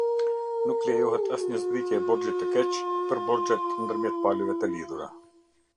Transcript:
Nuk lejohet asnjë zbritje e borxhit te keq për borxhet ndërmjet palëve te lidhura.